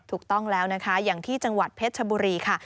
ถูกต้องแล้วนะคะอย่างที่จังหวัดเพชรชบุรีค่ะ